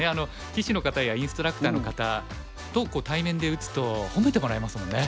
棋士の方やインストラクターの方と対面で打つと褒めてもらえますもんね。